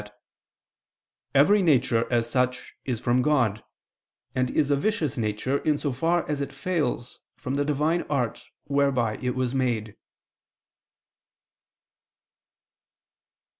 iii, 6) that "every nature, as such, is from God; and is a vicious nature, in so far as it fails from the Divine art whereby it was made."